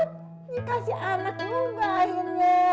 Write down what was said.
dikasih anak juga akhirnya